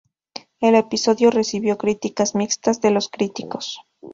El episodio recibió críticas mixtas de los críticos.